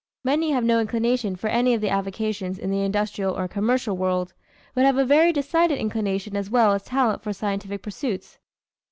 Many have no inclination for any of the avocations in the industrial or commercial world, but have a very decided inclination as well as talent for scientific pursuits.